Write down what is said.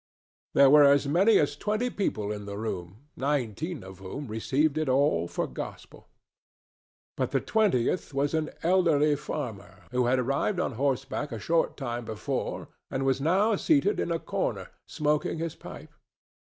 There were as many as twenty people in the room, nineteen of whom received it all for gospel. But the twentieth was an elderly farmer who had arrived on horseback a short time before and was now seated in a corner, smoking his pipe.